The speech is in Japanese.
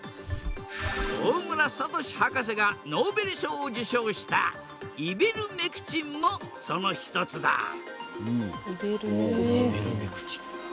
大村智博士がノーベル賞を受賞したイベルメクチンもその一つだへえ。